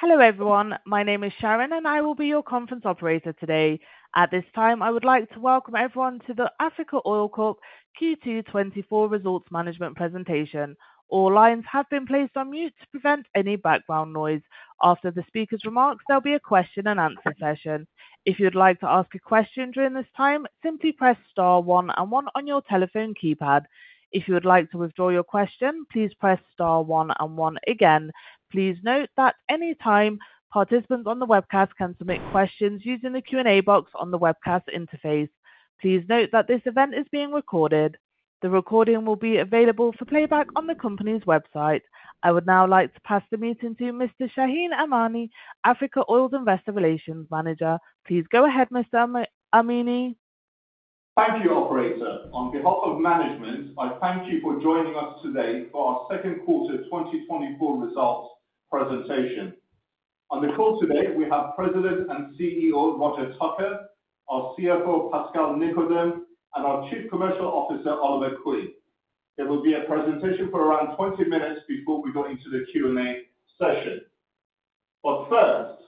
Hello, everyone. My name is Sharon, and I will be your conference operator today. At this time, I would like to welcome everyone to the Africa Oil Corp Q2 2024 Results Management Presentation. All lines have been placed on mute to prevent any background noise. After the speaker's remarks, there'll be a question and answer session. If you'd like to ask a question during this time, simply press star one and one on your telephone keypad. If you would like to withdraw your question, please press star one and one again. Please note that any time participants on the webcast can submit questions using the Q&A box on the webcast interface. Please note that this event is being recorded. The recording will be available for playback on the company's website. I would now like to pass the meeting to Mr. Shahin Amini, Africa Oil's Investor Relations Manager. Please go ahead, Mr. Amini. Thank you, operator. On behalf of management, I thank you for joining us today for our second quarter 2024 results presentation. On the call today, we have President and CEO, Roger Tucker, our CFO, Pascal Nicodeme, and our Chief Commercial Officer, Oliver Quinn. There will be a presentation for around 20 minutes before we go into the Q&A session. But first,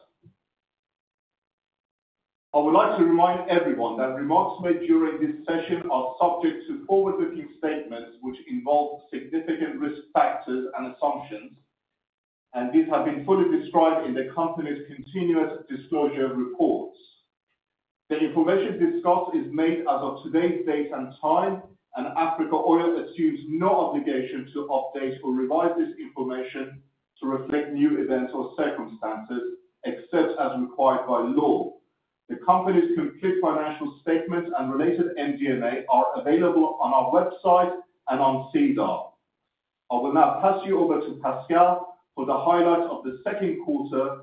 I would like to remind everyone that remarks made during this session are subject to forward-looking statements, which involve significant risk factors and assumptions, and these have been fully described in the company's continuous disclosure reports. The information discussed is made as of today's date and time, and Africa Oil assumes no obligation to update or revise this information to reflect new events or circumstances, except as required by law. The company's complete financial statements and related MD&A are available on our website and on SEDAR. I will now pass you over to Pascal for the highlights of the second quarter.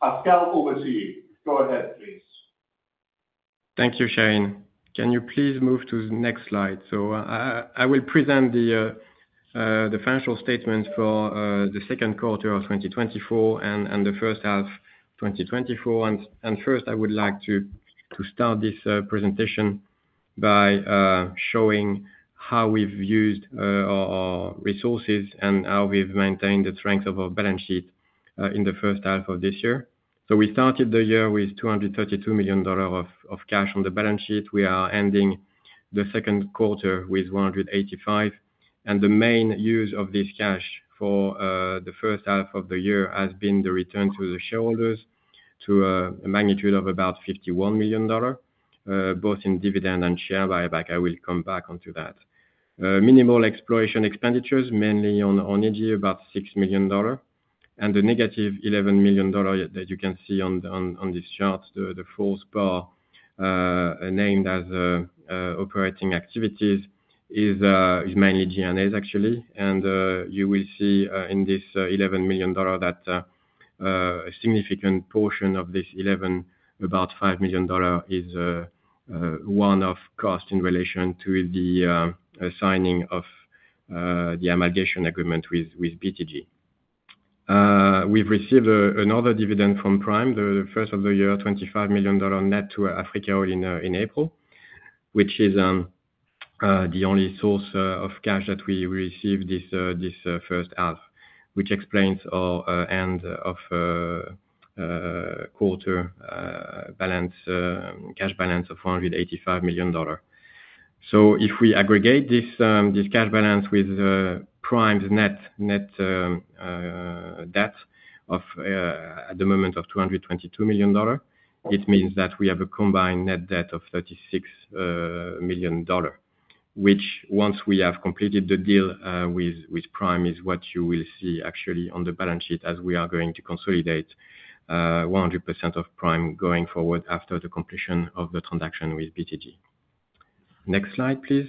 Pascal, over to you. Go ahead, please. Thank you, Shahin. Can you please move to the next slide? So, I will present the financial statement for the second quarter of 2024 and the first half 2024. First, I would like to start this presentation by showing how we've used our resources and how we've maintained the strength of our balance sheet in the first half of this year. So we started the year with $232 million of cash on the balance sheet. We are ending the second quarter with $185 million, and the main use of this cash for the first half of the year has been the return to the shareholders to a magnitude of about $51 million, both in dividend and share buyback. I will come back onto that. Minimal exploration expenditures, mainly on Equatorial Guinea, about $6 million, and the negative $11 million that you can see on this chart, the fourth bar, named as operating activities, is mainly G&A actually. And you will see in this $11 million that a significant portion of this 11, about $5 million is one-off cost in relation to the signing of the amalgamation agreement with BTG. We've received another dividend from Prime, the first of the year, $25 million net to Africa Oil in April, which is the only source of cash that we received this first half. Which explains our end of quarter balance cash balance of $485 million. So if we aggregate this cash balance with Prime's net debt of at the moment of $222 million, it means that we have a combined net debt of $36 million. Which once we have completed the deal with Prime, is what you will see actually on the balance sheet, as we are going to consolidate 100% of Prime going forward after the completion of the transaction with BTG. Next slide, please.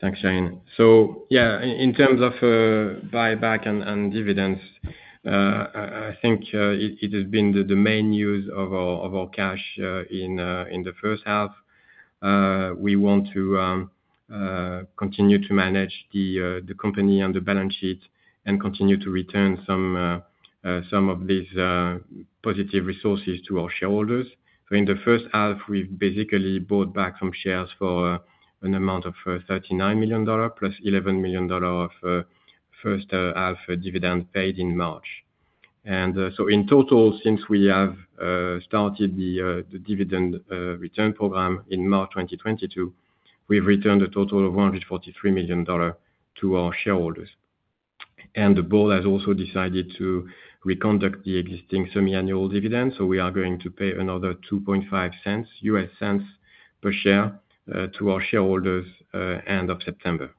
Thanks, Shahin. So yeah, in terms of buyback and dividends, I think it has been the main use of our cash in the first half. We want to continue to manage the company and the balance sheet and continue to return some of these positive resources to our shareholders. So in the first half, we've basically bought back some shares for an amount of $39 million, plus $11 million of first half dividend paid in March. And so in total, since we have started the dividend return program in March 2022, we've returned a total of $143 million to our shareholders. And the board has also decided to reconduct the existing semi-annual dividend, so we are going to pay another $0.025 per share to our shareholders end of September.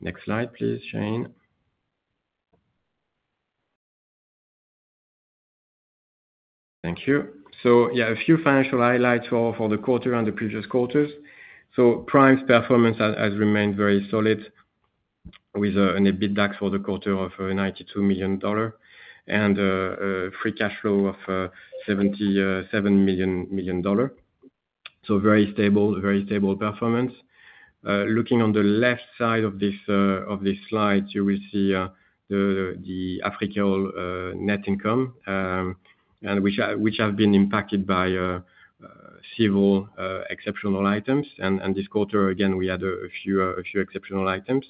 Next slide please, Shahin. Thank you. So yeah, a few financial highlights for the quarter and the previous quarters. So Prime's performance has remained very solid with an EBITDA for the quarter of $92 million and free cash flow of $77 million. So very stable, very stable performance. Looking on the left side of this slide, you will see the Africa Oil net income, and which has been impacted by several exceptional items. And this quarter, again, we had a few exceptional items.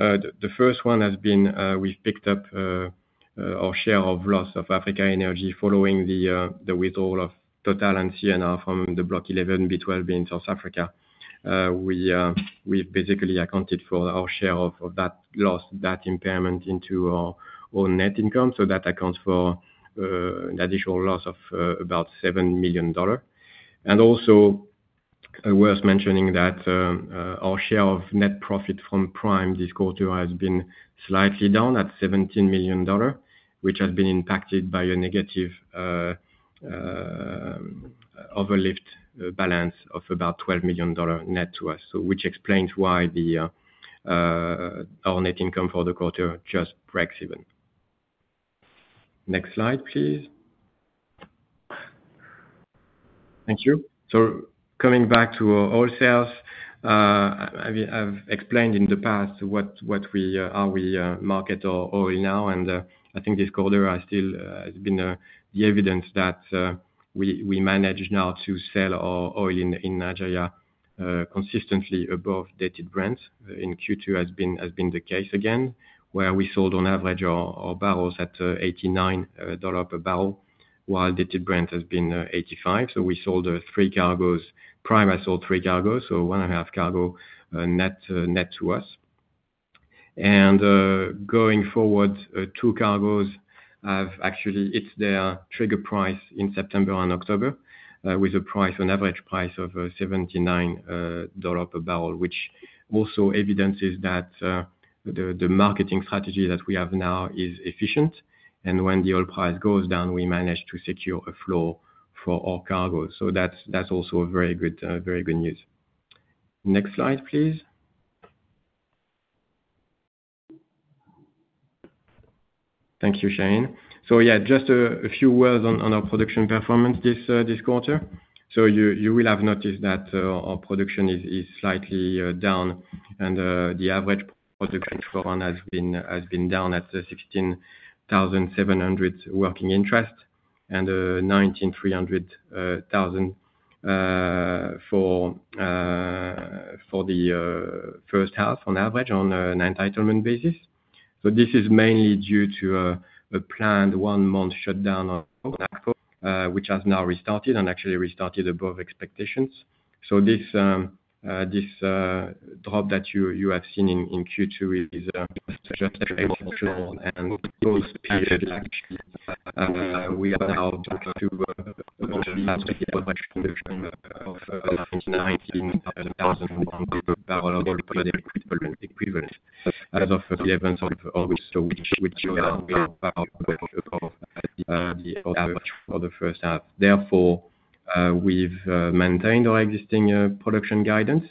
The first one has been, we've picked up our share of loss of Africa Energy following the withdrawal of Total and CNR from the Block 11B/12B in South Africa. We've basically accounted for our share of that loss, that impairment into our net income, so that accounts for an additional loss of about $7 million. Also worth mentioning that our share of net profit from Prime this quarter has been slightly down at $17 million, which has been impacted by a negative overlift balance of about $12 million net to us. So which explains why our net income for the quarter just breaks even. Next slide, please. Thank you. So coming back to our oil sales, I've explained in the past how we market our oil now, and I think this quarter has still been the evidence that we manage now to sell our oil in Nigeria consistently above Dated Brent, in Q2 has been the case again, where we sold on average our barrels at $89 per barrel, while Dated Brent has been $85. So we sold 3 cargoes. Prime has sold 3 cargoes, so 1.5 cargo net to us. Going forward, two cargoes have actually hit their trigger price in September and October, with a price, on average price of $79 per barrel, which also evidences that, the, the marketing strategy that we have now is efficient. And when the oil price goes down, we manage to secure a flow for all cargoes. So that's, that's also a very good, very good news. Next slide, please. Thank you, Sharon. So yeah, just a, a few words on, on our production performance this, this quarter. So you will have noticed that our production is slightly down, and the average production for Q1 has been down at 16,700 working interest, and 19,300 for the first half on average on an entitlement basis. So this is mainly due to a planned 1-month shutdown of Akpo, which has now restarted and actually restarted above expectations. So this drop that you have seen in Q2 is just and those periods actually we allowed to achieve an average production of 19,000 barrel oil equivalent as of the end of August, so which is above the average for the first half. Therefore, we've maintained our existing production guidance,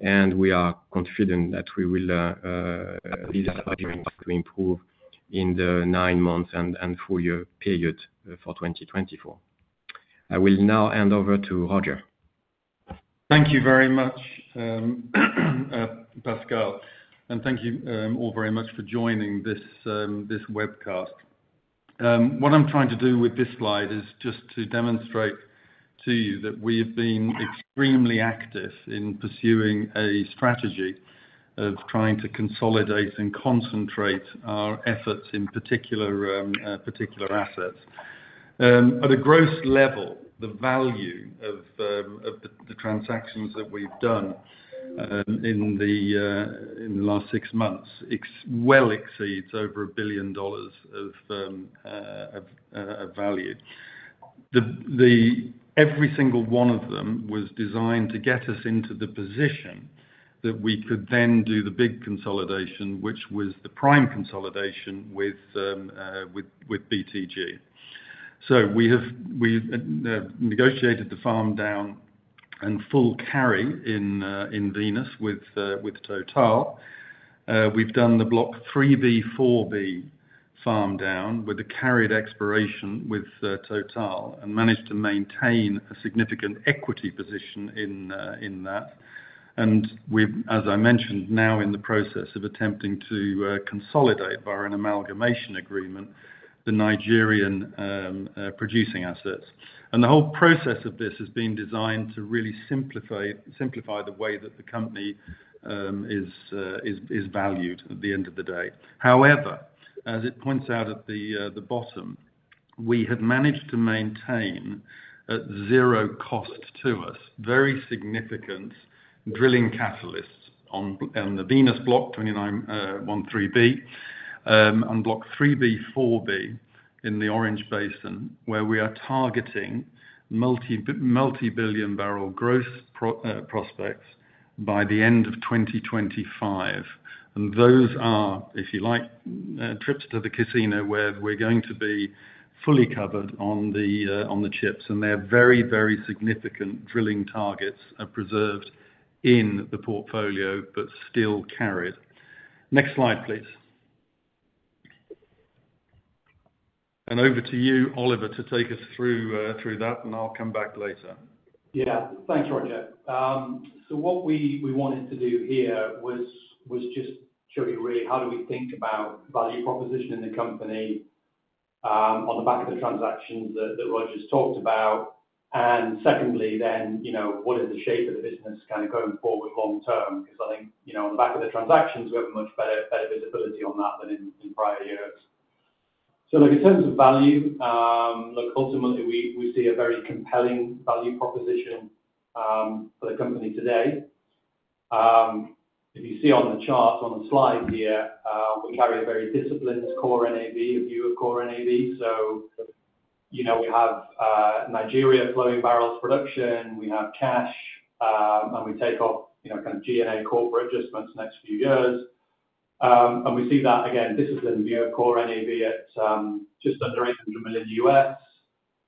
and we are confident that we will to improve in the nine months and full year period for 2024. I will now hand over to Roger. Thank you very much, Pascal, and thank you all very much for joining this webcast. What I'm trying to do with this slide is just to demonstrate to you that we've been extremely active in pursuing a strategy of trying to consolidate and concentrate our efforts in particular assets. At a gross level, the value of the transactions that we've done in the last six months well exceeds over $1 billion of value. Every single one of them was designed to get us into the position that we could then do the big consolidation, which was the Prime consolidation with BTG. So we have, we've negotiated the farm-down and full carry in in Venus with with Total. We've done the Block 3B/4B farm-down with the carried exploration with Total, and managed to maintain a significant equity position in in that. We've, as I mentioned, now in the process of attempting to consolidate via an amalgamation agreement, the Nigerian producing assets. The whole process of this has been designed to really simplify, simplify the way that the company is, is, is valued at the end of the day. However, as it points out at the bottom, we have managed to maintain, at zero cost to us, very significant drilling catalysts on the Venus Block 2913B, on Block 3B/4B, in the Orange Basin, where we are targeting multi-billion barrel growth prospects by the end of 2025. And those are, if you like, trips to the casino, where we're going to be fully covered on the chips, and they're very, very significant drilling targets are preserved in the portfolio, but still carried. Next slide, please. And over to you, Oliver, to take us through that, and I'll come back later. Yeah. Thanks, Roger. So what we wanted to do here was just show you really how do we think about value proposition in the company?... on the back of the transactions that, that Roger's talked about. And secondly, then, you know, what is the shape of the business kind of going forward long term? Because I think, you know, on the back of the transactions, we have much better, better visibility on that than in, in prior years. So look, in terms of value, look, ultimately, we, we see a very compelling value proposition for the company today. If you see on the chart on the slide here, we carry a very disciplined core NAV, a view of core NAV. So you know, we have Nigeria flowing barrels production, we have cash, and we take off, you know, kind of G&A corporate adjustments the next few years. We see that again, this is the view of core NAV at just under $800 million.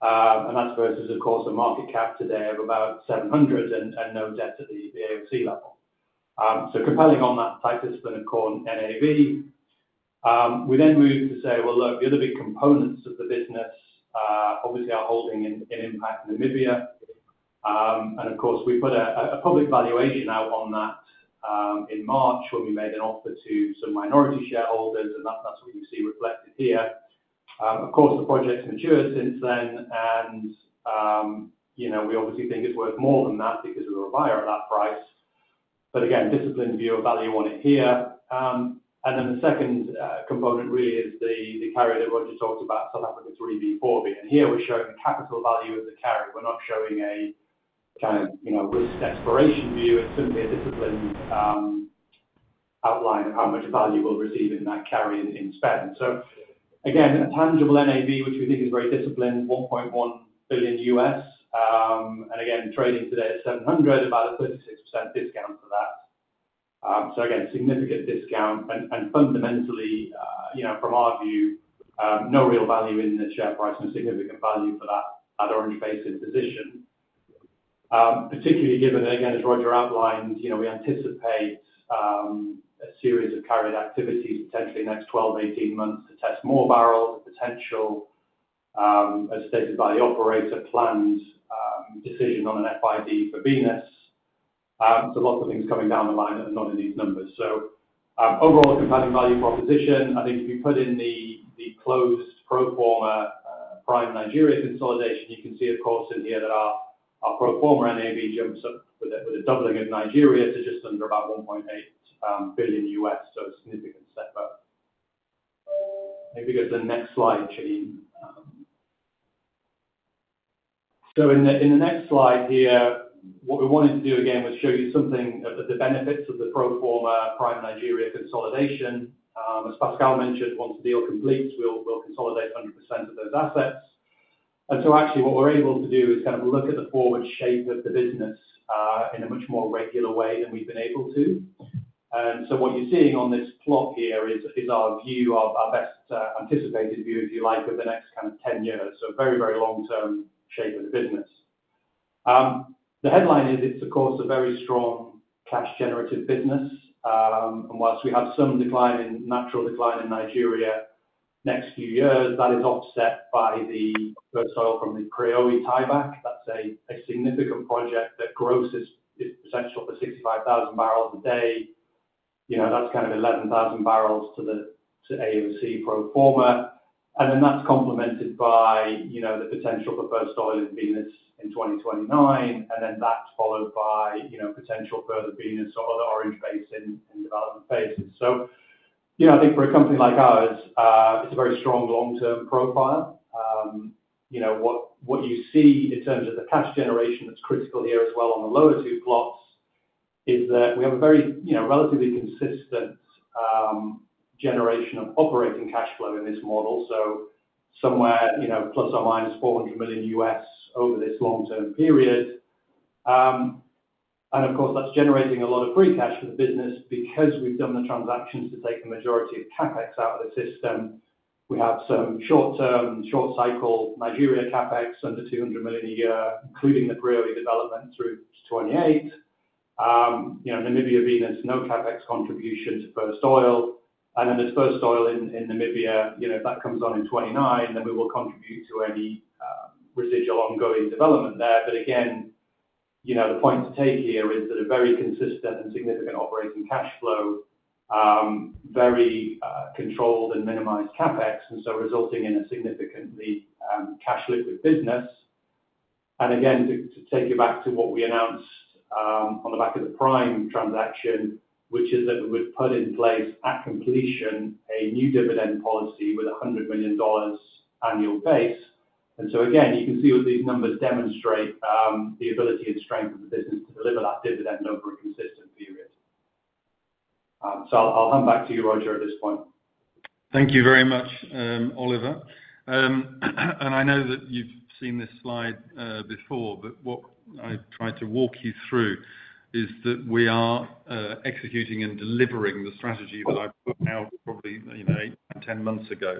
That's versus, of course, a market cap today of about $700 million and no debt at the AOC level. So compelling on that tight discipline of core NAV. We then move to say, well, look, the other big components of the business obviously are holding in impact in Namibia. And of course, we put a public valuation out on that in March, when we made an offer to some minority shareholders, and that's what you see reflected here. Of course, the project's matured since then, and you know, we obviously think it's worth more than that because we were a buyer at that price. But again, disciplined view of value on it here. And then the second component really is the carry that Roger talked about, South Africa 3B/4B. Here we're showing the capital value of the carry. We're not showing a kind of, you know, risk-adjusted view. It's simply a disciplined outline of how much value we'll receive in that carry in spend. So again, a tangible NAV, which we think is very disciplined, $1.1 billion. And again, trading today at $700 million, about a 36% discount to that. So again, significant discount. And fundamentally, you know, from our view, no real value in the share price and a significant value for that Orange Basin position. Particularly given, again, as Roger outlined, you know, we anticipate a series of carried activities, potentially next 12 to 18 months, to test more barrel potential, as stated by the operator, planned decision on an FID for Venus. So lots of things coming down the line that are not in these numbers. So, overall, a compelling value proposition. I think if you put in the, the closed pro forma, Prime Nigeria consolidation, you can see, of course, in here that our, our pro forma NAV jumps up with a, with a doubling of Nigeria to just under about $1.8 billion. So a significant step up. Maybe go to the next slide, Shahin. So in the next slide here, what we wanted to do again was show you something of the benefits of the pro forma Prime Nigeria consolidation. As Pascal mentioned, once the deal completes, we'll consolidate 100% of those assets. And so actually what we're able to do is kind of look at the forward shape of the business in a much more regular way than we've been able to. And so what you're seeing on this plot here is our view of our best anticipated view, if you like, over the next kind of 10 years. So very, very long term shape of the business. The headline is, it's of course a very strong cash generative business. And while we have some decline in natural decline in Nigeria next few years, that is offset by the first oil from the Preowei tieback. That's a significant project that gross potential for 65,000 barrels a day. You know, that's kind of 11,000 barrels to the AOC pro forma. And then that's complemented by, you know, the potential for first oil in Venus in 2029, and then that's followed by, you know, potential further Venus or other Orange Basin in development phases. So, you know, I think for a company like ours, it's a very strong long-term profile. You know, what you see in terms of the cash generation that's critical here as well on the lower two plots, is that we have a very, you know, relatively consistent generation of operating cash flow in this model. So somewhere, you know, ±$400 million over this long-term period. And of course, that's generating a lot of free cash for the business because we've done the transactions to take the majority of CapEx out of the system. We have some short-term, short cycle, Nigeria CapEx under $200 million a year, including the Preowei development through 2028. You know, Namibia, Venus, no CapEx contribution to first oil. And then there's first oil in, in Namibia, you know, if that comes on in 2029, then we will contribute to any, residual ongoing development there. But again, you know, the point to take here is that a very consistent and significant operating cash flow, very controlled and minimized CapEx, and so resulting in a significantly cash liquid business. Again, to take you back to what we announced, on the back of the Prime transaction, which is that we would put in place, at completion, a new dividend policy with a $100 million annual base. So again, you can see what these numbers demonstrate, the ability and strength of the business to deliver that dividend over a consistent period. So I'll hand back to you, Roger, at this point. Thank you very much, Oliver. And I know that you've seen this slide before, but what I tried to walk you through is that we are executing and delivering the strategy that I put out probably, you know, eight, 10 months ago.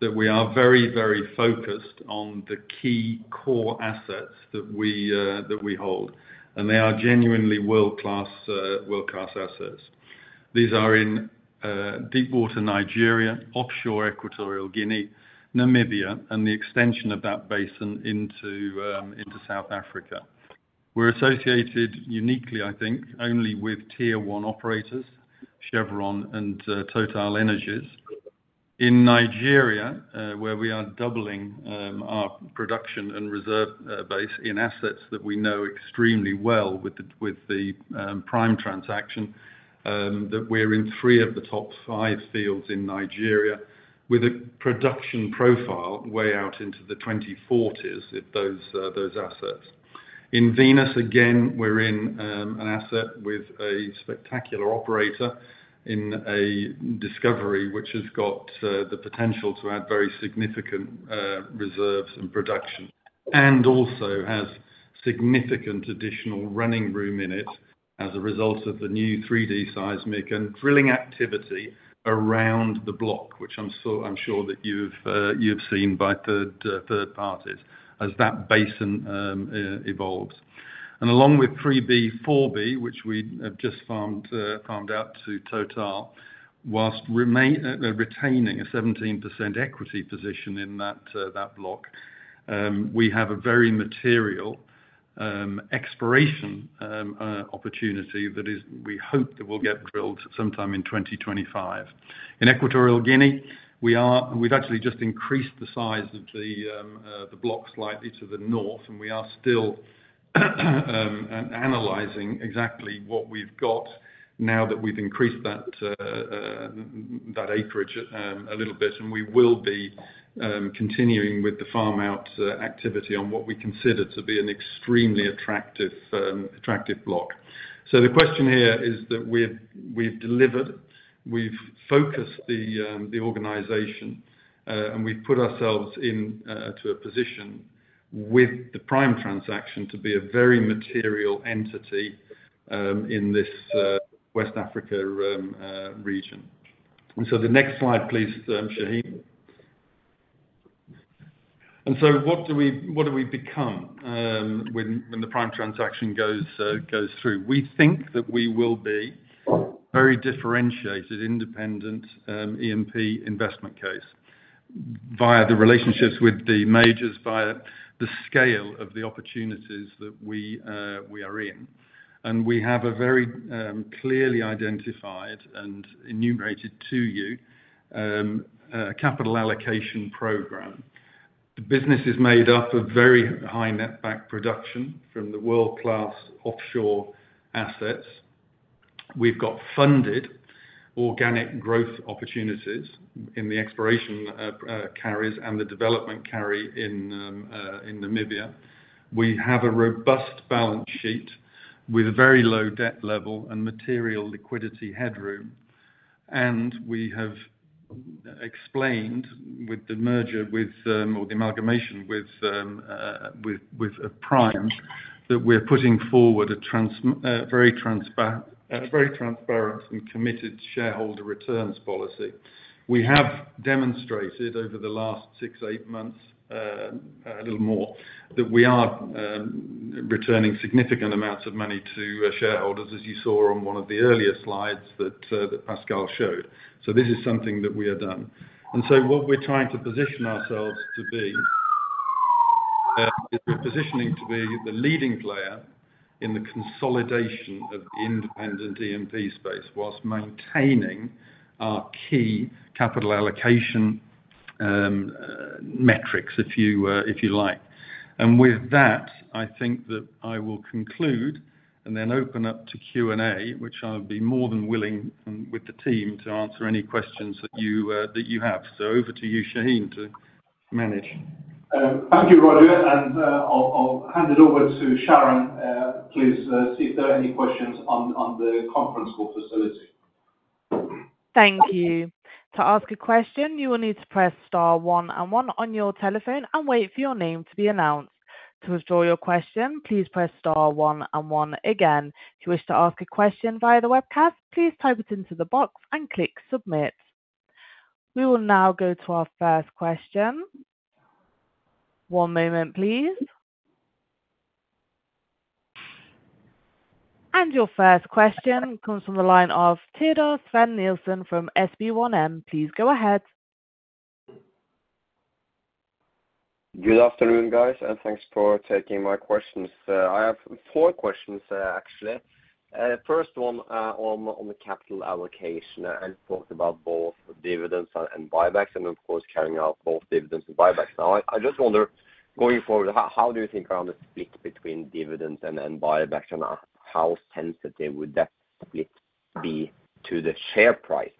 That we are very, very focused on the key core assets that we hold, and they are genuinely world-class assets. These are in deep water Nigeria, offshore Equatorial Guinea, Namibia, and the extension of that basin into South Africa.... We're associated uniquely, I think, only with Tier One operators, Chevron and TotalEnergies. In Nigeria, where we are doubling our production and reserve base in assets that we know extremely well with the Prime transaction, that we're in three of the top five fields in Nigeria with a production profile way out into the 2040s, if those assets. In Venus, again, we're in an asset with a spectacular operator in a discovery, which has got the potential to add very significant reserves and production, and also has significant additional running room in it as a result of the new 3D seismic and drilling activity around the block, which I'm sure that you've seen by third parties, as that basin evolves. Along with 3B/4B, which we have just farmed out to Total, while retaining a 17% equity position in that block. We have a very material exploration opportunity that we hope we'll get drilled sometime in 2025. In Equatorial Guinea, we have actually just increased the size of the block slightly to the north, and we are still analyzing exactly what we've got now that we've increased that acreage a little bit. We will be continuing with the farm-out activity on what we consider to be an extremely attractive block. So the question here is that we've delivered, we've focused the organization, and we've put ourselves into a position with the Prime transaction to be a very material entity in this West Africa region. So the next slide, please, Shahin. So what do we become when the Prime transaction goes through? We think that we will be very differentiated, independent E&P investment case via the relationships with the majors, via the scale of the opportunities that we are in. And we have a very clearly identified and enumerated to you a capital allocation program. The business is made up of very high netback production from the world-class offshore assets. We've got funded organic growth opportunities in the exploration, carries and the development carry in Namibia. We have a robust balance sheet with a very low debt level and material liquidity headroom. We have explained with the merger with, or the amalgamation with, with Prime, that we're putting forward a very transparent and committed shareholder returns policy. We have demonstrated over the last six, eight months, a little more, that we are returning significant amounts of money to our shareholders, as you saw on one of the earlier slides that Pascal showed. This is something that we have done. And so what we're trying to position ourselves to be is we're positioning to be the leading player in the consolidation of the independent E&P space while maintaining our key capital allocation metrics, if you like. And with that, I think that I will conclude and then open up to Q&A, which I'll be more than willing, with the team, to answer any questions that you have. So over to you, Shahin, to manage. Thank you, Roger, and I'll hand it over to Sharon. Please see if there are any questions on the conference call facility. Thank you. To ask a question, you will need to press star one and one on your telephone and wait for your name to be announced. To withdraw your question, please press star one and one again. If you wish to ask a question via the webcast, please type it into the box and click Submit. We will now go to our first question. One moment, please. And your first question comes from the line of Teodor Sveen-Nilsen from SB1M. Please go ahead. Good afternoon, guys, and thanks for taking my questions. I have four questions, actually. First one, on the capital allocation. I talked about both dividends and buybacks, and of course, carrying out both dividends and buybacks. Now, I just wonder, going forward, how do you think around the split between dividends and buybacks, and how sensitive would that split be to the share price?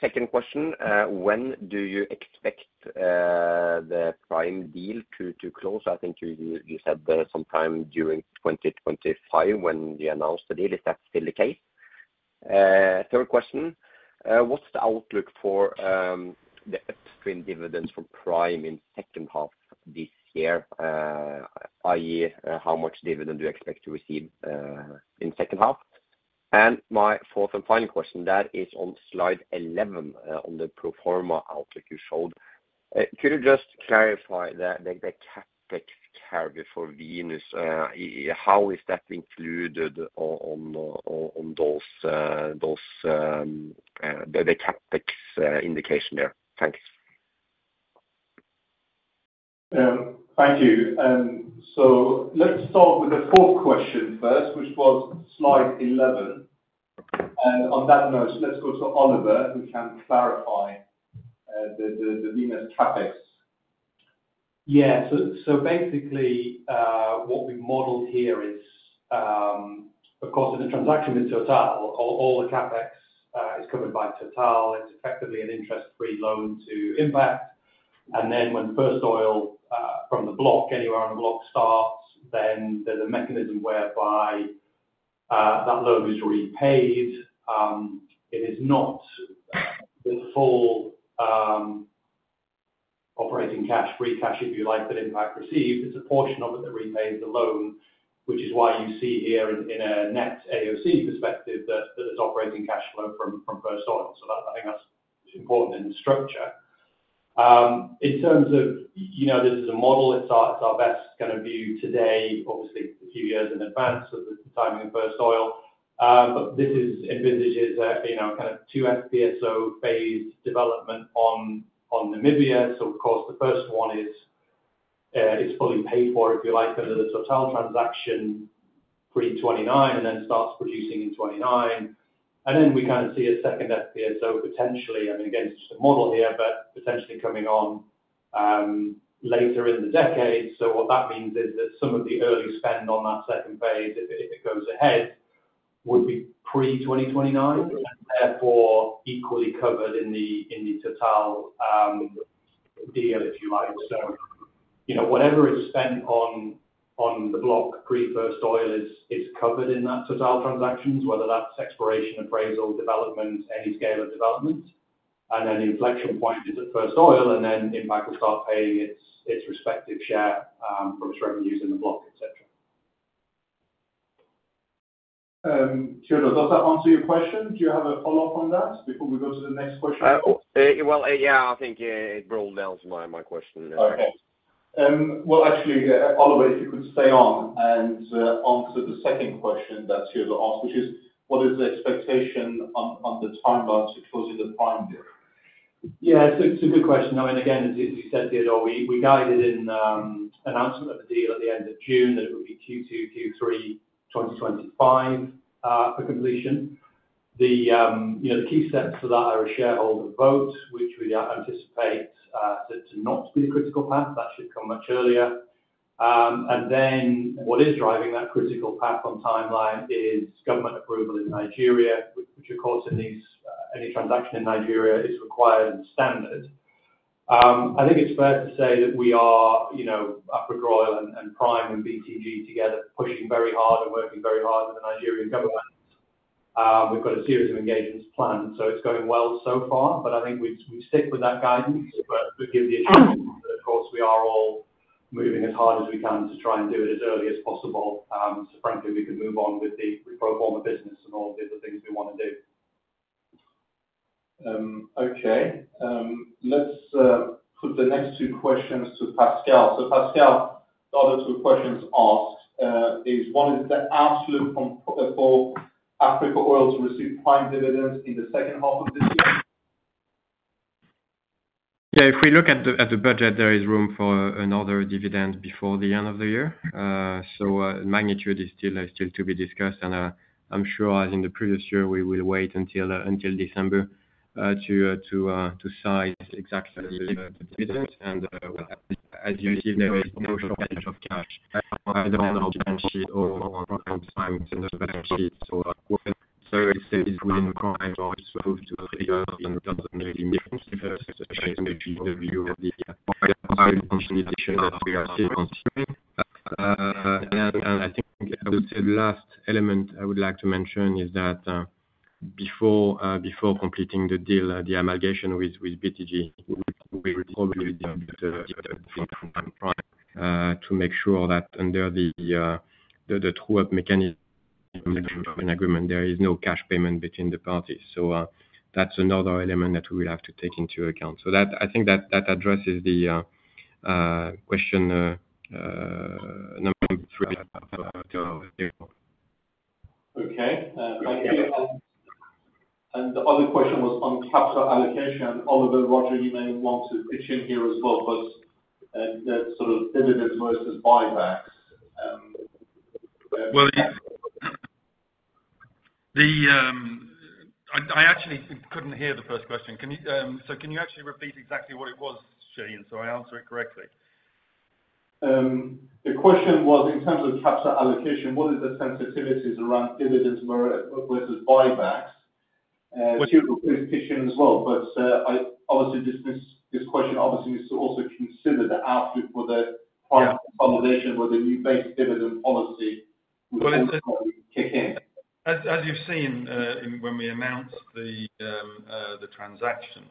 Second question, when do you expect the Prime deal to close? I think you said sometime during 2025 when you announced the deal. Is that still the case? Third question, what's the outlook for the stream of dividends from Prime in second half this year? i.e., how much dividend do you expect to receive in second half? My fourth and final question, that is on slide 11, on the pro forma outlook you showed. Could you just clarify the CapEx carry for Venus? How is that included on those, the CapEx indication there? Thanks. ... Thank you. So let's start with the fourth question first, which was slide 11. And on that note, let's go to Oliver, who can clarify the Venus CapEx. Yeah. So basically, what we modeled here is, of course, in the transaction with Total, all the CapEx is covered by Total. It's effectively an interest-free loan to Impact. And then when first oil from the block, anywhere on the block starts, then there's a mechanism whereby that loan is repaid. It is not the full operating cash, free cash, if you like, that Impact receives. It's a portion of it that repays the loan, which is why you see here in a net AOC perspective, that is operating cash flow from first oil. So that, I think that's important in the structure. In terms of, you know, this is a model. It's our best kind of view today, obviously, a few years in advance of the timing of first oil. But this envisages a, you know, kind of two FPSO phase development on Namibia. So of course, the first one is fully paid for, if you like, under the Total transaction, pre-2029, and then starts producing in 2029. And then we kind of see a second FPSO, potentially, I mean, again, it's just a model here, but potentially coming on later in the decade. So what that means is that some of the early spend on that second phase, if it goes ahead, would be pre-2029, and therefore equally covered in the Total deal, if you like. So, you know, whatever is spent on the block pre-first oil is covered in that Total transaction, whether that's exploration, appraisal, development, any scale of development. And then the inflection point is at first oil, and then Impact will start paying its respective share from its revenues in the block, et cetera. Teodor, does that answer your question? Do you have a follow-up on that before we go to the next question? Oh, well, yeah, I think it boiled down to my, my question. Okay. Well, actually, Oliver, if you could stay on and answer the second question that Teodor asked, which is: What is the expectation on the timeline to closing the Prime deal? Yeah, it's a good question. I mean, again, as you said, Teodor, we guided in announcement of the deal at the end of June, that it would be Q2, Q3 2025 for completion. You know, the key steps for that are a shareholder vote, which we anticipate to not be a critical path. That should come much earlier. And then what is driving that critical path on timeline is government approval in Nigeria, which of course, in these any transaction in Nigeria is required and standard. I think it's fair to say that we are, you know, Africa Oil and Prime and BTG together, pushing very hard and working very hard with the Nigerian government. We've got a series of engagements planned, so it's going well so far, but I think we, we stick with that guidance, but we give the assurance that, of course, we are all moving as hard as we can to try and do it as early as possible. So frankly, we can move on with the pro forma business and all the other things we want to do. Okay. Let's put the next two questions to Pascal. So Pascal, the other two questions asked is: What is the absolute quantum for Africa Oil to receive Prime dividends in the second half of this year? Yeah, if we look at the budget, there is room for another dividend before the end of the year. So, magnitude is still to be discussed, and I'm sure as in the previous year, we will wait until December to size exactly the dividend. And, as you see, there is no shortage of cash on our balance sheet or on Prime's balance sheet. So, it is being moved to figure in terms of making differences, especially maybe the view of the continuation that we are still considering. I think I would say the last element I would like to mention is that, before completing the deal, the amalgamation with BTG, we will probably do the dividend from Prime to make sure that under the true-up mechanism of an agreement, there is no cash payment between the parties. So, that's another element that we will have to take into account. So that. I think that addresses the question, number three. Okay. And the other question was on capital allocation. Oliver, Roger, you may want to pitch in here as well, but, that sort of dividends versus buybacks, Well, I actually couldn't hear the first question. Can you actually repeat exactly what it was, Shahin, so I answer it correctly? The question was, in terms of capital allocation, what is the sensitivities around dividends versus buybacks? Two as well, but, I obviously this, this question obviously is to also consider the outlook for the Prime consolidation with the new base dividend policy, which will probably kick in. As you've seen, when we announced the transaction,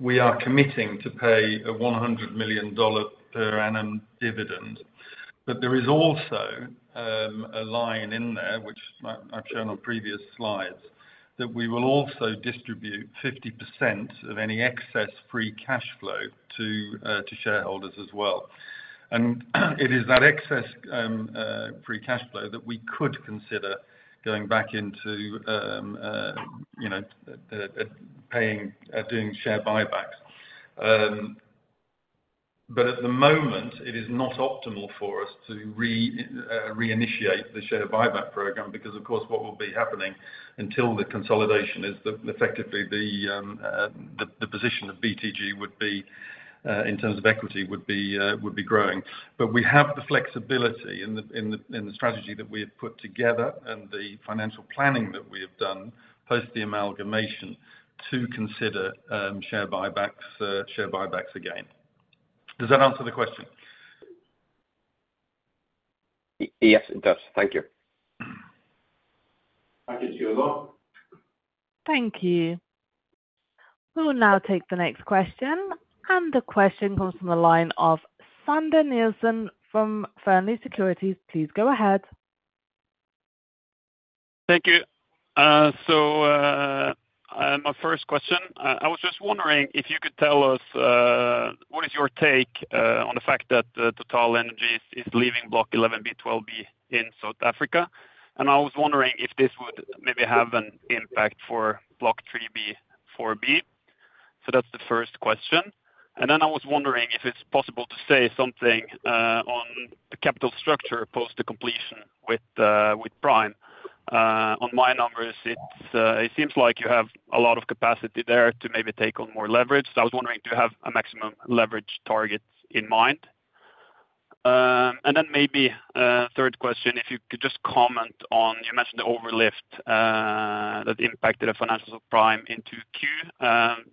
we are committing to pay a $100 million per annum dividend. But there is also a line in there, which I've shown on previous slides, that we will also distribute 50% of any excess free cash flow to shareholders as well. And it is that excess free cash flow that we could consider going back into, you know, paying doing share buybacks. But at the moment, it is not optimal for us to reinitiate the share buyback program because, of course, what will be happening until the consolidation is effectively the position of BTG would be in terms of equity would be growing. But we have the flexibility in the strategy that we have put together and the financial planning that we have done, post the amalgamation, to consider share buybacks, share buybacks again. Does that answer the question? Yes, it does. Thank you. Thank you, Gilbert. Thank you. We'll now take the next question, and the question comes from the line of Sander Nilsen from Fearnley Securities. Please go ahead. Thank you. So, my first question. I was just wondering if you could tell us, what is your take on the fact that TotalEnergies is leaving Block 11B, 12B in South Africa? And I was wondering if this would maybe have an impact for Block 3B, 4B. So that's the first question. And then I was wondering if it's possible to say something on the capital structure post the completion with, with Prime. On my numbers, it seems like you have a lot of capacity there to maybe take on more leverage. So I was wondering, do you have a maximum leverage target in mind? And then maybe, a third question, if you could just comment on, you mentioned the overlift that impacted the financials of Prime into Q.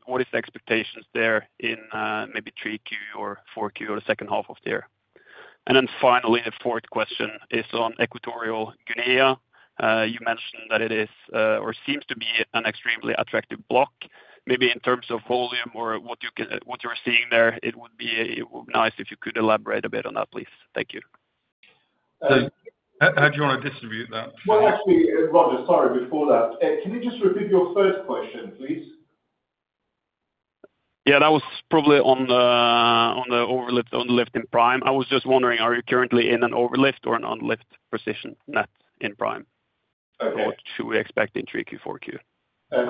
What is the expectations there in, maybe 3Q or 4Q, or the second half of the year? And then finally, the fourth question is on Equatorial Guinea. You mentioned that it is, or seems to be an extremely attractive block, maybe in terms of volume or what you can, what you're seeing there, it would be nice if you could elaborate a bit on that, please. Thank you. How do you want to distribute that? Well, actually, Roger, sorry, before that, can you just repeat your first question, please? Yeah, that was probably on the overlift, underlift in Prime. I was just wondering, are you currently in an overlift or an underlift position net in Prime? Okay. Or what should we expect in Q3, Q4?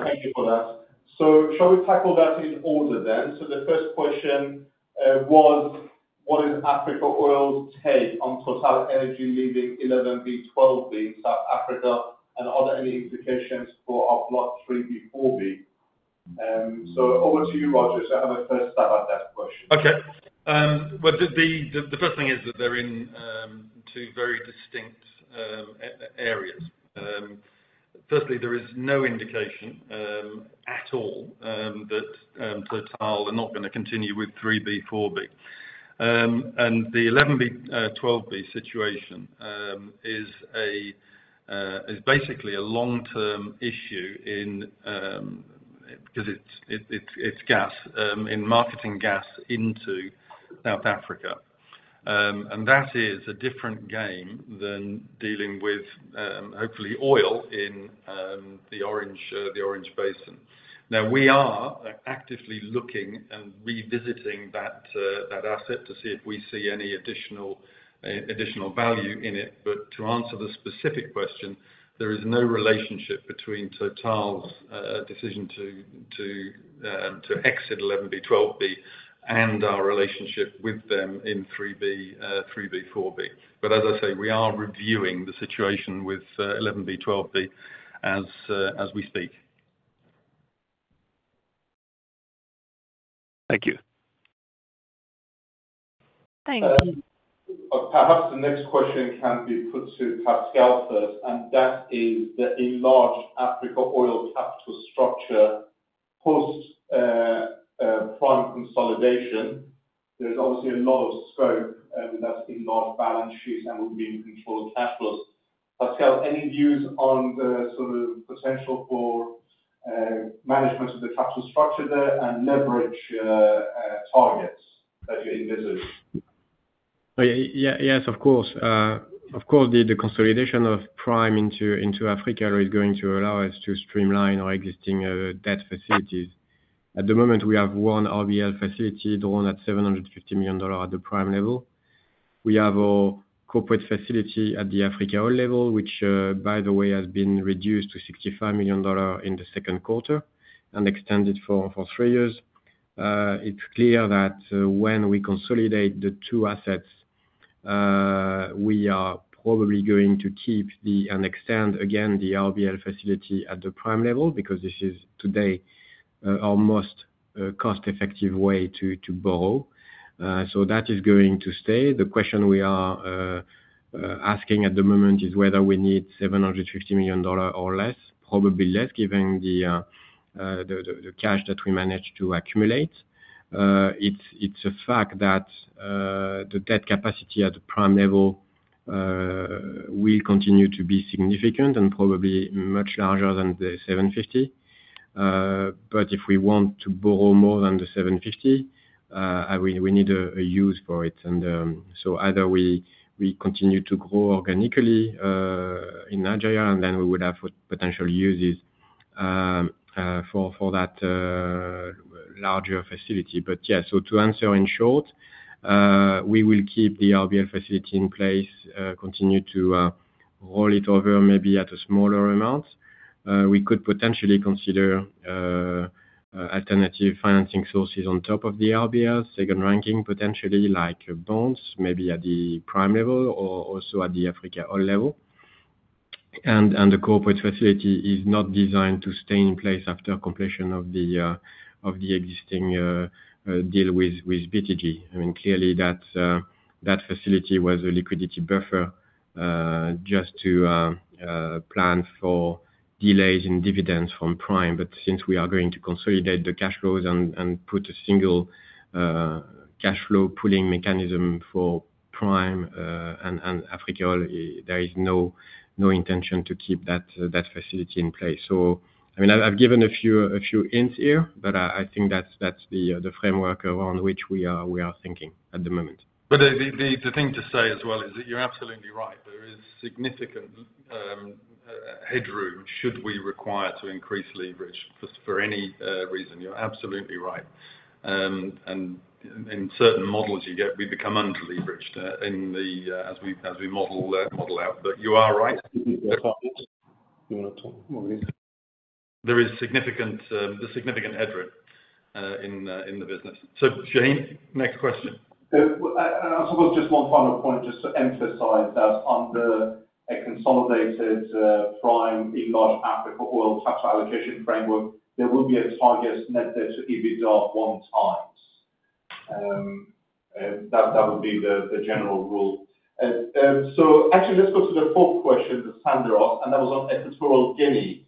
Thank you for that. So shall we tackle that in order then? So the first question was, what is Africa Oil's take on TotalEnergies leaving 11B, 12B in South Africa, and are there any implications for our Block 3B/4B? So over to you, Roger, to have a first stab at that question. Okay. Well, the first thing is that they're in two very distinct areas. Firstly, there is no indication at all that Total are not going to continue with 3B, 4B. And the 11B, 12B situation is basically a long-term issue in... 'cause it's gas in marketing gas into South Africa. And that is a different game than dealing with hopefully oil in the Orange Basin. Now, we are actively looking and revisiting that asset to see if we see any additional value in it. But to answer the specific question, there is no relationship between Total's decision to exit 11B, 12B, and our relationship with them in 3B, 4B. As I say, we are reviewing the situation with 11B, 12B, as we speak. Thank you. Thank you. Perhaps the next question can be put to Pascal first, and that is the enlarged Africa Oil capital structure post Prime consolidation. There is obviously a lot of scope, and that's enlarged balance sheets, and we'll be in control of capitals. Pascal, any views on the sort of potential for management of the capital structure there and leverage targets that you envision? Yeah, yes, of course. Of course, the consolidation of Prime into Africa is going to allow us to streamline our existing debt facilities. At the moment, we have one RBL facility, the one at $750 million at the Prime level. We have our corporate facility at the Africa Oil level, which, by the way, has been reduced to $65 million in the second quarter and extended for 3 years. It's clear that when we consolidate the two assets, we are probably going to keep and extend again the RBL facility at the Prime level, because this is today our most cost-effective way to borrow. So that is going to stay. The question we are asking at the moment is whether we need $750 million or less, probably less, given the cash that we managed to accumulate. It's a fact that the debt capacity at the Prime level will continue to be significant and probably much larger than the $750. But if we want to borrow more than the $750, we need a use for it. And so either we continue to grow organically in Nigeria, and then we would have potential uses.... for that larger facility. But yeah, so to answer in short, we will keep the RBL facility in place, continue to roll it over, maybe at a smaller amount. We could potentially consider alternative financing sources on top of the RBL, second ranking, potentially like bonds, maybe at the Prime level or also at the Africa Oil level. And the corporate facility is not designed to stay in place after completion of the existing deal with BTG. I mean, clearly that facility was a liquidity buffer just to plan for delays in dividends from Prime. But since we are going to consolidate the cash flows and put a single cash flow pooling mechanism for Prime and Africa, there is no intention to keep that facility in place. So, I mean, I've given a few hints here, but I think that's the framework around which we are thinking at the moment. But the thing to say as well is that you're absolutely right. There is significant headroom, should we require to increase leverage for any reason. You're absolutely right. And in certain models you get we become underleveraged in the as we model out. But you are right. You wanna talk more? There's significant headroom in the business. So, Shane, next question. So, and I suppose just one final point, just to emphasize that under a consolidated Prime enlarged Africa Oil capital allocation framework, there will be a target net debt to EBITDA 1x. That would be the general rule. So actually, let's go to the fourth question that Sander asked, and that was on Equatorial Guinea.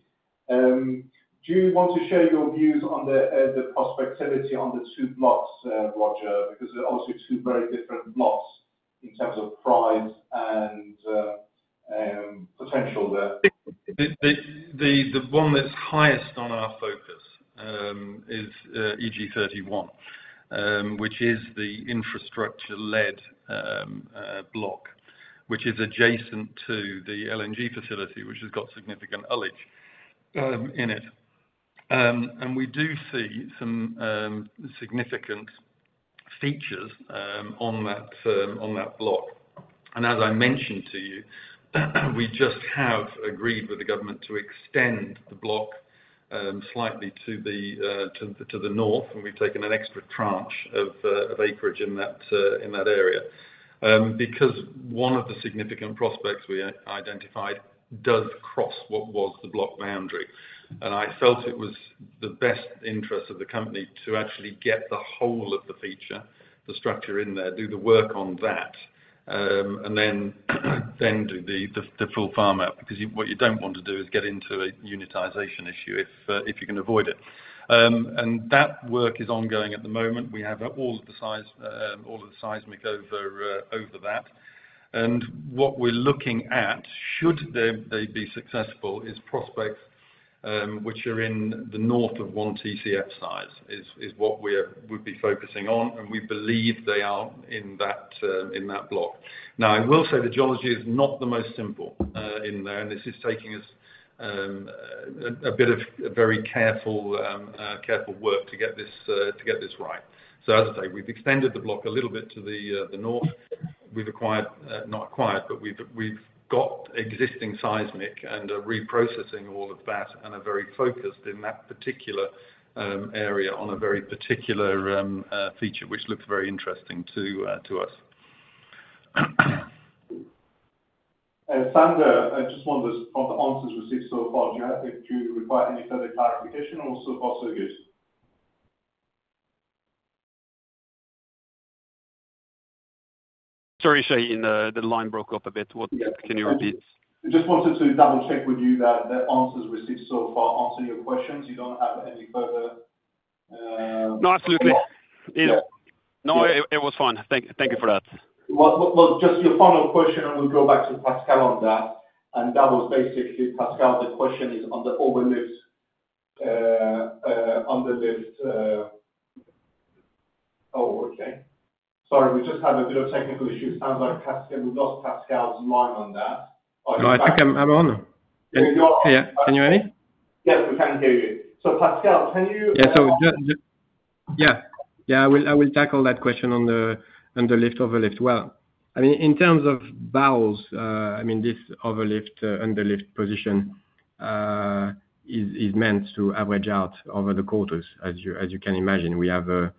Do you want to share your views on the prospectivity on the two blocks, Roger? Because they're obviously two very different blocks in terms of price and potential there. The one that's highest on our focus is EG-31, which is the infrastructure-led block, which is adjacent to the LNG facility, which has got significant oil and gas in it. And we do see some significant features on that block. And as I mentioned to you, we just have agreed with the government to extend the block slightly to the north, and we've taken an extra tranche of acreage in that area. Because one of the significant prospects we identified does cross what was the block boundary. And I felt it was the best interest of the company to actually get the whole of the feature, the structure in there, do the work on that, and then do the full farm-out. Because you, what you don't want to do is get into a unitization issue, if, if you can avoid it. And that work is ongoing at the moment. We have all of the size, all of the seismic over, over that. And what we're looking at, should they be successful, is prospects, which are in the north of 1 TCF size, is what we're- we'd be focusing on, and we believe they are in that, in that block. Now, I will say the geology is not the most simple, in there, and this is taking us, a bit of very careful, careful work to get this, to get this right. So as I say, we've extended the block a little bit to the, the north. We've acquired, not acquired, but we've got existing seismic and are reprocessing all of that, and are very focused in that particular area on a very particular feature, which looks very interesting to us. Sander, I just wonder if the answers received so far, do you have, do you require any further clarification or so - also good? Sorry, Shane, the line broke up a bit. What... Can you repeat? I just wanted to double-check with you that the answers received so far answer your questions. You don't have any further, No, absolutely. Yeah. No, it was fine. Thank you for that. Well, well, well, just your final question, and we'll go back to Pascal on that. And that was basically, Pascal, the question is on the overlift, underlift... Oh, okay. Sorry, we just had a bit of technical issue. It sounds like Pascal, we lost Pascal's line on that. No, I think I'm on. You're on. Yeah. Can you hear me? Yes, we can hear you. So Pascal, can you- Yeah, so yeah. Yeah, I will, I will tackle that question on the lift, overlift well. I mean, in terms of barrels, I mean, this overlift, underlift position is meant to average out over the quarters, as you can imagine. We have a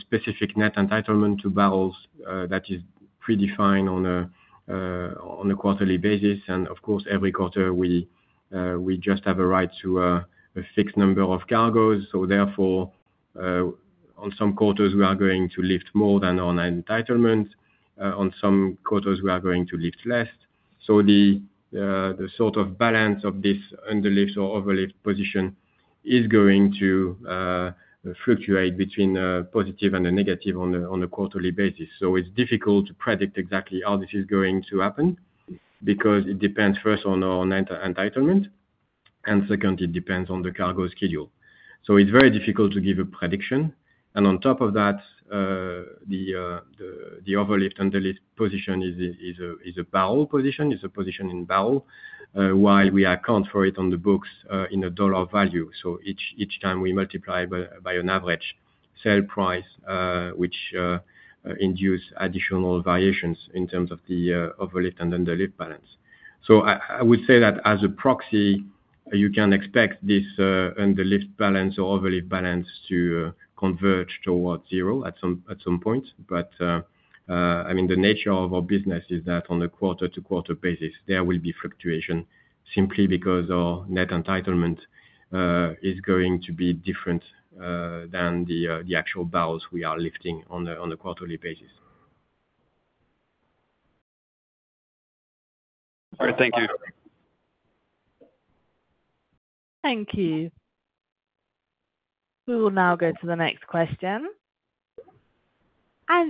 specific net entitlement to barrels that is predefined on a quarterly basis. And of course, every quarter we just have a right to a fixed number of cargoes. So therefore, on some quarters we are going to lift more than our entitlement, on some quarters we are going to lift less. So the sort of balance of this underlift or overlift position is going to fluctuate between a positive and a negative on a quarterly basis. So it's difficult to predict exactly how this is going to happen, because it depends first on our entitlement, and second, it depends on the cargo schedule. So it's very difficult to give a prediction. And on top of that, the overlift and underlift position is a barrel position, a position in barrels, while we account for it on the books in a dollar value. So each time we multiply by an average sale price, which induce additional variations in terms of the overlift and underlift balance. So I would say that as a proxy, you can expect this underlift balance or overlift balance to converge towards zero at some point. I mean, the nature of our business is that on a quarter-to-quarter basis, there will be fluctuation simply because our net entitlement is going to be different than the actual barrels we are lifting on a quarterly basis. All right. Thank you. Thank you. We will now go to the next question.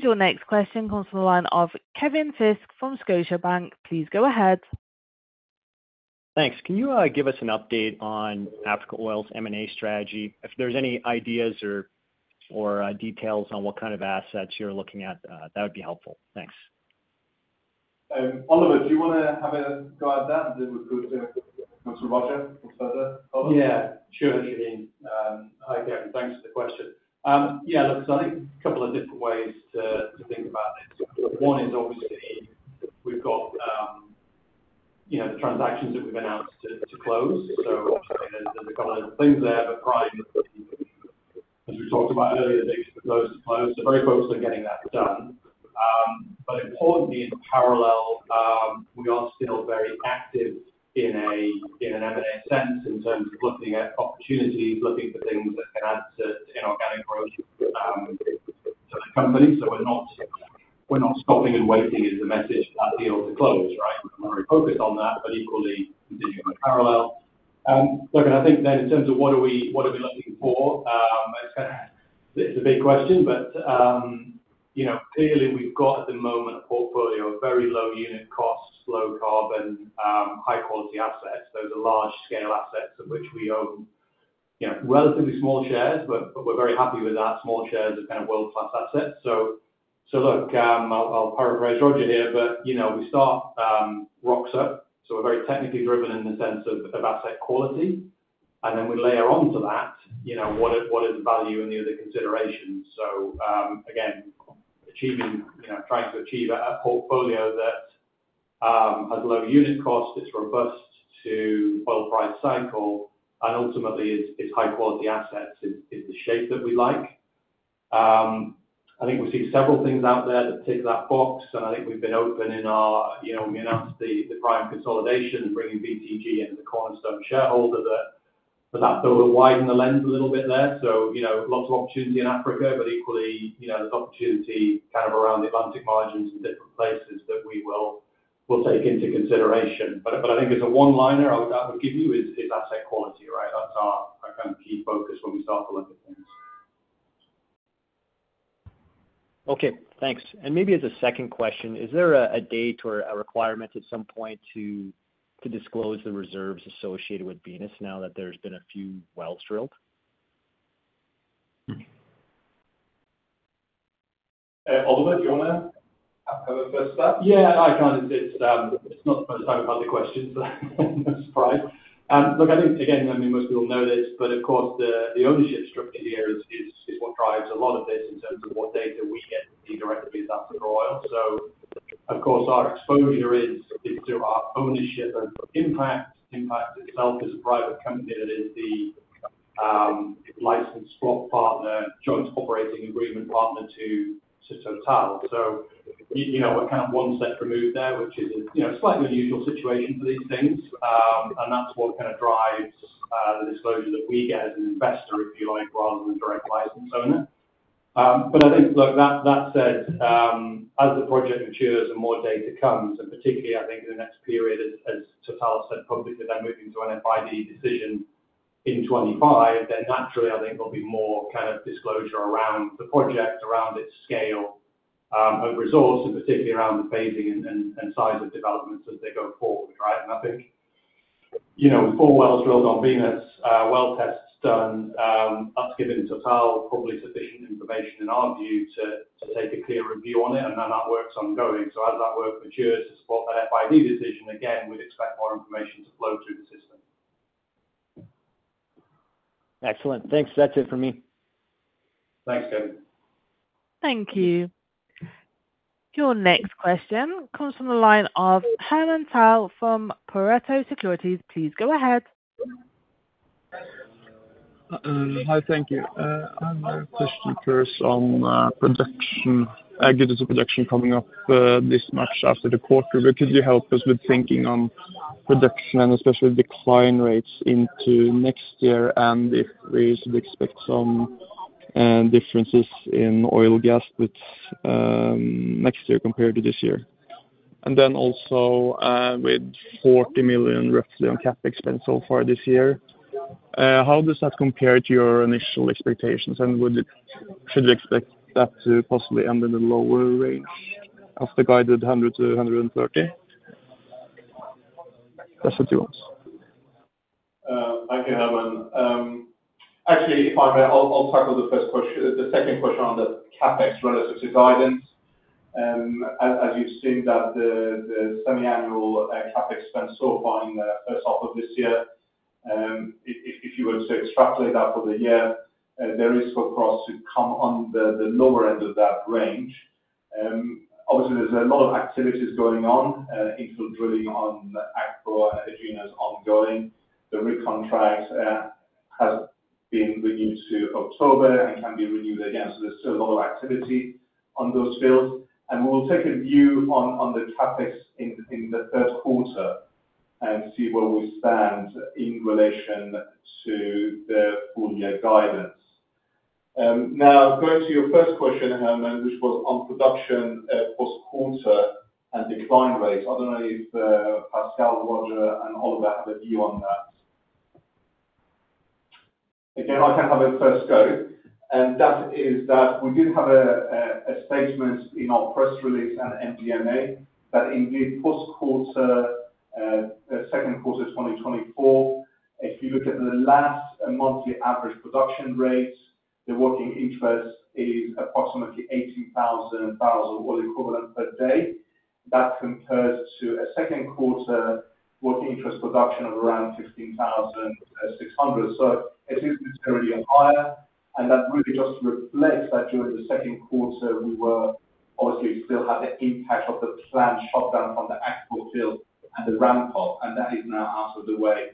Your next question comes from the line of Kevin Fiske from Scotiabank. Please go ahead. Thanks. Can you give us an update on Africa Oil's M&A strategy? If there's any ideas or details on what kind of assets you're looking at, that would be helpful. Thanks. Oliver, do you want to have a go at that, and then we'll go to Mr. Roger for further? Oliver. Yeah, sure, Shane. Hi, Kevin. Thanks for the question. Yeah, look, so I think a couple of different ways to, to think about this. One is obviously we've got, you know, the transactions that we've announced to, to close. So there's a couple of things there, but Prime, as we talked about earlier, date for close is close. So very focused on getting that done. But importantly, in parallel, we are still very active in a, in an M&A sense, in terms of looking at opportunities, looking for things that can add to inorganic growth, to the company. So we're not, we're not stopping and waiting is the message for that deal to close, right? I'm very focused on that, but equally continuing the parallel. Look, and I think then in terms of what are we, what are we looking for, it's a big question, but, you know, clearly we've got at the moment, a portfolio of very low unit costs, low carbon, high quality assets. Those are large scale assets of which we own, you know, relatively small shares, but, but we're very happy with that. Small shares are kind of world-class assets. So, so look, I'll, I'll paraphrase Roger here, but, you know, we start, rocks up, so we're very technically driven in the sense of, of asset quality, and then we layer onto that, you know, what is, what is the value and the other considerations. So, again, achieving, you know, trying to achieve a, a portfolio that has low unit cost, is robust to oil price cycle, and ultimately is, is high quality assets is, is the shape that we like. I think we've seen several things out there that tick that box, and I think we've been open in our... You know, we announced the, the Prime consolidation, bringing BTG into the cornerstone shareholder that, but that sort of widen the lens a little bit there. So, you know, lots of opportunity in Africa, but equally, you know, there's opportunity kind of around the Atlantic margins and different places that we will, will take into consideration. But I, but I think as a one liner I would give you is, is asset quality, right? That's our, our kind of key focus when we start to look at things. Okay, thanks. And maybe as a second question, is there a date or a requirement at some point to disclose the reserves associated with Venus now that there's been a few wells drilled? Oliver, do you want to have a first stab? Yeah, I can. It's not the first time I've had the question, so I'm not surprised. Look, I think, again, I mean, most people know this, but of course, the ownership structure here is what drives a lot of this in terms of what data we get directly as Africa Oil. So of course, our exposure is through our ownership and Impact. Impact itself is a private company that is the licensed spot partner, joint operating agreement partner to Total. So, you know, we're kind of one step removed there, which is a you know, slightly unusual situation for these things. And that's what kind of drives the disclosure that we get as an investor, if you like, rather than direct license owner. But I think, look, that said, as the project matures and more data comes, and particularly I think in the next period, as Total said publicly, they're moving to an FID decision in 2025, then naturally, I think there'll be more kind of disclosure around the project, around its scale of resource, and particularly around the phasing and size of developments as they go forward, right? And I think, you know, four wells drilled on Venus, well tests done, that's given Total probably sufficient information in our view, to take a clear view on it, and then that work's ongoing. So as that work matures to support the FID decision, again, we'd expect more information to flow through the system. Excellent. Thanks. That's it for me. Thanks, Kevin. Thank you. Your next question comes from the line of Herman Dahl from Pareto Securities. Please go ahead. Hi. Thank you. I have a question first on production, Egina production coming up this month after the quarter. But could you help us with thinking on production, especially decline rates into next year, and if we expect some differences in oil and gas with next year compared to this year? And then also, with $40 million roughly on CapEx spend so far this year, how does that compare to your initial expectations, and would you expect that to possibly end in a lower range of the guided $100 million-$130 million?... That's the 2 ones. Thank you, Herman. Actually, if I may, I'll tackle the first question, the second question on the CapEx relative to guidance. As you've seen that the semi-annual CapEx spend so far in the first half of this year, if you were to extrapolate that for the year, there is for us to come on the lower end of that range. Obviously, there's a lot of activities going on, infill drilling on the Akpo and Egina is ongoing. The rig contract has been renewed to October and can be renewed again. So there's still a lot of activity on those fields. And we'll take a view on the CapEx in the first quarter and see where we stand in relation to the full year guidance. Now, going to your first question, Herman, which was on production, post-quarter and decline rates. I don't know if Pascal, Roger, and Oliver have a view on that. Again, I can have a first go, and that is that we did have a statement in our press release and MD&A, that indeed post-quarter, second quarter 2024, if you look at the last monthly average production rates, the working interest is approximately 80,000 barrels oil equivalent per day. That compares to a second quarter working interest production of around 15,600. So it is materially higher, and that really just reflects that during the second quarter, we were obviously still had the impact of the planned shutdown on the Akpo field and the ramp up, and that is now out of the way.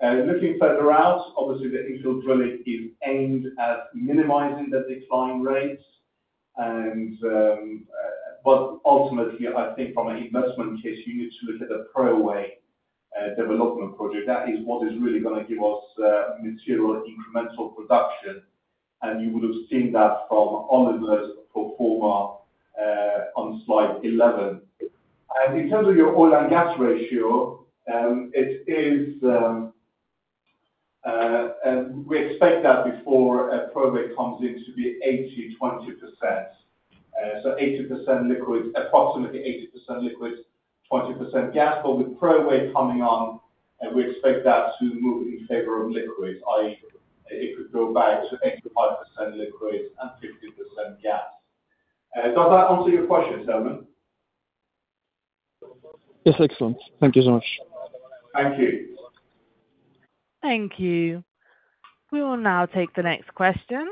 Looking further out, obviously the infill drilling is aimed at minimizing the decline rates and, but ultimately, I think from an investment case, you need to look at the Preowei development project. That is what is really going to give us material incremental production, and you would have seen that from Oliver's pro forma on slide 11. In terms of your oil and gas ratio, it is, we expect that before Preowei comes in to be 80/20%. So 80% liquid, approximately 80% liquid, 20% gas. But with Preowei coming on, and we expect that to move in favor of liquids, i.e., it could go back to 85% liquid and 50% gas. Does that answer your question, Herman? Yes, excellent. Thank you so much. Thank you. Thank you. We will now take the next question,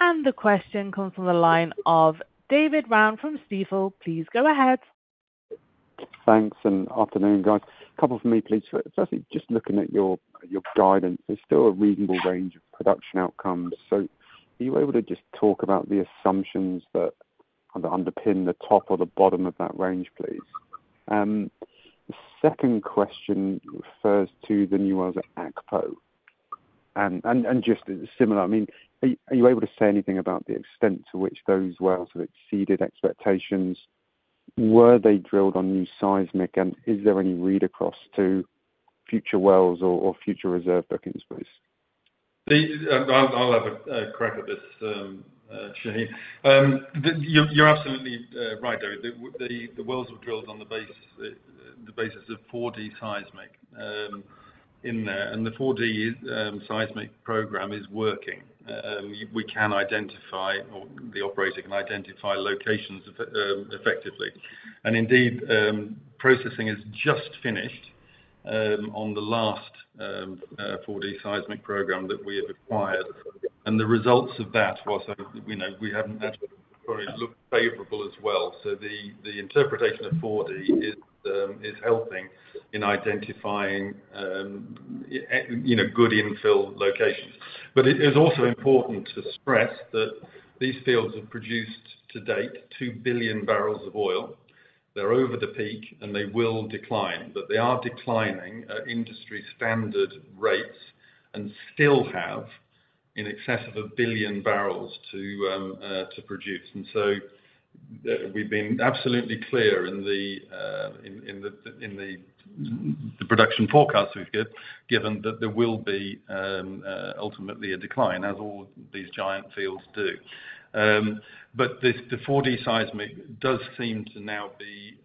and the question comes from the line of David Round from Stifel. Please go ahead. Thanks, and afternoon, guys. A couple from me, please. Firstly, just looking at your guidance, there's still a reasonable range of production outcomes. So are you able to just talk about the assumptions that underpin the top or the bottom of that range, please? The second question refers to the new wells at Akpo. And just similar, I mean, are you able to say anything about the extent to which those wells have exceeded expectations? Were they drilled on new seismic, and is there any read across to future wells or future reserve bookings, please? I'll have a crack at this, Shane. You're absolutely right, David. The wells were drilled on the basis of 4D seismic in there. And the 4D seismic program is working. We can identify, or the operator can identify locations effectively. And indeed, processing is just finished on the last 4D seismic program that we have acquired. And the results of that was, you know, we haven't actually looked favorable as well. So the interpretation of 4D is helping in identifying, you know, good infill locations. But it is also important to stress that these fields have produced to date 2 billion barrels of oil. They're over the peak, and they will decline, but they are declining at industry standard rates and still have in excess of 1 billion barrels to produce. And so we've been absolutely clear in the production forecast we've given that there will be ultimately a decline, as all these giant fields do. But this, the 4D seismic does seem to now be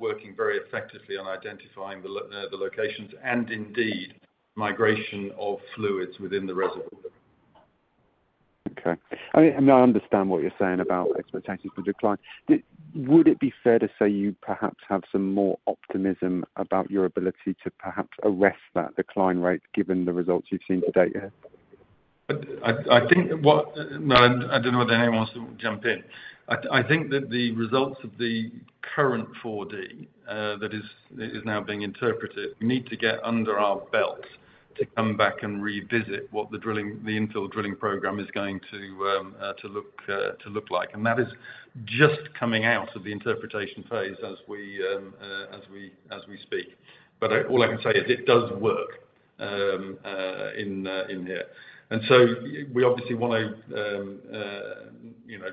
working very effectively on identifying the locations and indeed migration of fluids within the reservoir. Okay. I mean, I understand what you're saying about expectations for decline. Would it be fair to say you perhaps have some more optimism about your ability to perhaps arrest that decline rate given the results you've seen to date yet? I think... No, I don't know whether anyone wants to jump in. I think that the results of the current 4D, that is now being interpreted, need to get under our belt to come back and revisit what the drilling, the infill drilling program is going to to look like. And that is just coming out of the interpretation phase as we as we speak. But all I can say is it does work in here. And so we obviously want to, you know,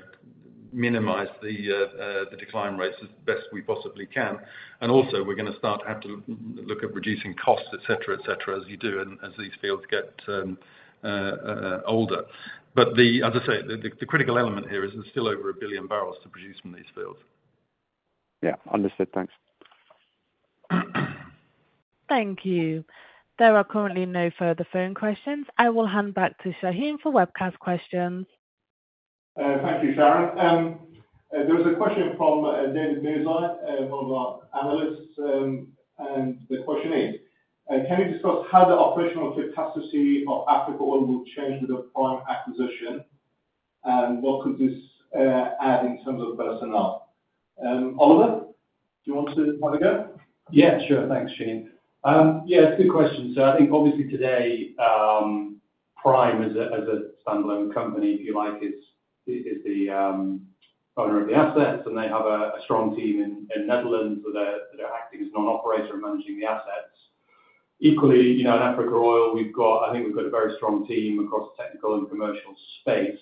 minimize the decline rates as best we possibly can. And also, we're going to start to have to look at reducing costs, et cetera, et cetera, as you do as these fields get older. As I say, the critical element here is there's still over 1 billion barrels to produce from these fields. Yeah. Understood. Thanks.... Thank you. There are currently no further phone questions. I will hand back to Shahin for webcast questions. Thank you, Sharon. There's a question from David Mirzai, one of our analysts, and the question is: Can you discuss how the operational capacity of Africa Oil will change with the Prime acquisition, and what could this add in terms of personnel? Oliver, do you want to have a go? Yeah, sure. Thanks, Shahin. Yeah, it's a good question. So I think obviously today, Prime as a standalone company, if you like, is the owner of the assets, and they have a strong team in Netherlands, where they're acting as non-operator and managing the assets. Equally, you know, in Africa Oil, we've got. I think we've got a very strong team across the technical and commercial space.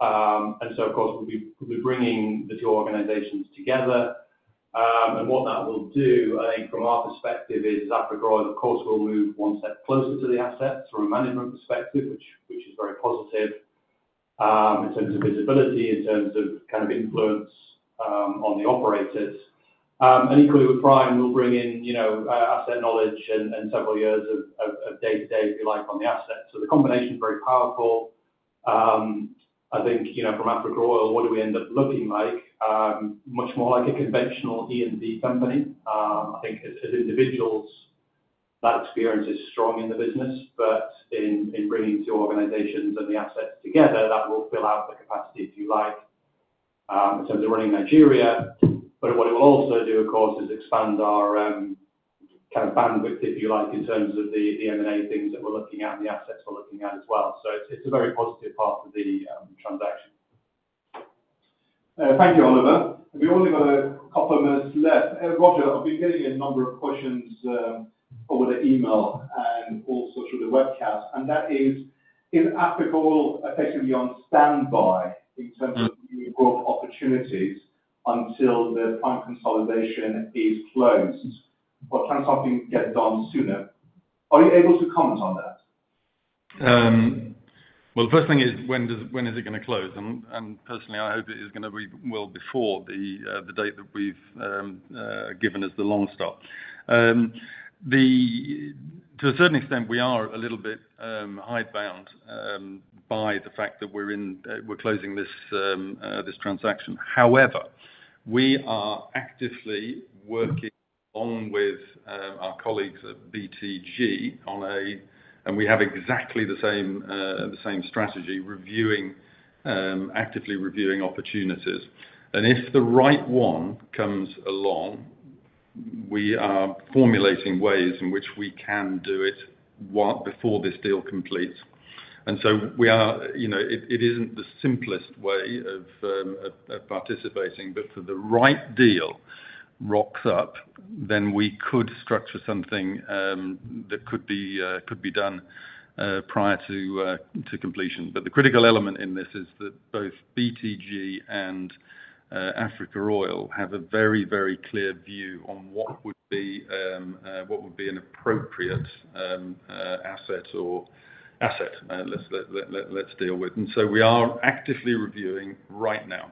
And so, of course, we'll be bringing the two organizations together. And what that will do, I think from our perspective, is Africa Oil, of course, will move one step closer to the assets from a management perspective, which is very positive, in terms of visibility, in terms of kind of influence, on the operators. And equally with Prime, we'll bring in, you know, asset knowledge and several years of day-to-day, if you like, on the asset. So the combination is very powerful. I think, you know, from Africa Oil, what do we end up looking like? Much more like a conventional E&P company. I think as individuals, that experience is strong in the business, but in bringing two organizations and the assets together, that will fill out the capacity, if you like, in terms of running Nigeria. But what it will also do, of course, is expand our kind of bandwidth, if you like, in terms of the M&A things that we're looking at and the assets we're looking at as well. So it's a very positive part of the transaction. Thank you, Oliver. We've only got a couple of minutes left. Roger, I've been getting a number of questions, over the email and also through the webcast, and that is, is Africa Oil effectively on standby in terms of new growth opportunities until the Prime consolidation is closed? What kind of something gets done sooner? Are you able to comment on that? Well, the first thing is, when is it going to close? And personally, I hope it is going to be well before the date that we've given as the long stop. To a certain extent, we are a little bit hidebound by the fact that we're closing this transaction. However, we are actively working on with our colleagues at BTG on a, and we have exactly the same strategy, actively reviewing opportunities. And if the right one comes along, we are formulating ways in which we can do it before this deal completes. And so we are, you know, it isn't the simplest way of participating, but if the right deal rocks up, then we could structure something that could be done prior to completion. But the critical element in this is that both BTG and Africa Oil have a very, very clear view on what would be an appropriate asset or asset, let's deal with. And so we are actively reviewing right now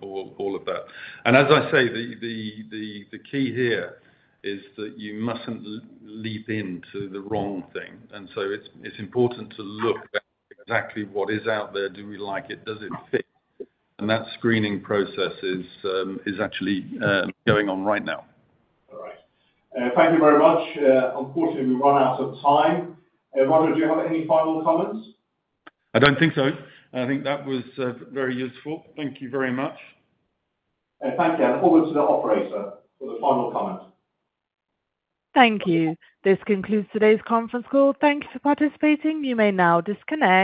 all of that. And as I say, the key here is that you mustn't leap into the wrong thing. And so it's important to look at exactly what is out there. Do we like it? Does it fit? And that screening process is actually going on right now. All right. Thank you very much. Unfortunately, we've run out of time. Roger, do you have any final comments? I don't think so. I think that was very useful. Thank you very much. Thank you. I look forward to the operator for the final comment. Thank you. This concludes today's conference call. Thank you for participating. You may now disconnect.